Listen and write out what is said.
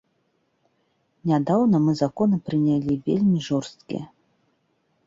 Нядаўна мы законы прынялі вельмі жорсткія.